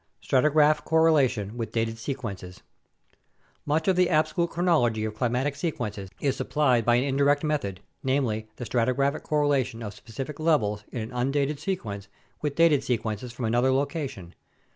Stratigraphic Correlation with Dated Sequences Much of the absolute chronology of climatic sequences is supplied by an indirect method, namely, the stratigraphic correlation of specific levels in an undated sequence with dated sequences from another location.